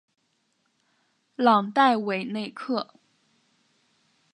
朗代韦内克。